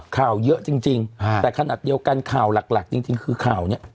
ข่าวเยอะจริงแต่ขนาดเดียวกันข่าวหลักจริงคือข่าวนี้